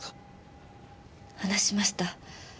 話しました。